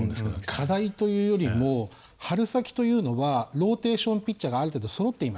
課題というよりも春先というのはローテーションピッチャーがある程度そろっていました。